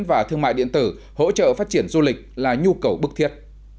và thương mại điện tử hỗ trợ phát triển du lịch là nhu cầu bức thiết